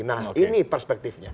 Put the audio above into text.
nah ini perspektifnya